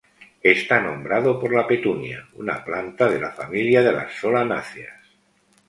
Está nombrado por la petunia, una planta de la familia de las solanáceas.